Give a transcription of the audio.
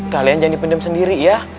kalian jangan dipendam sendiri ya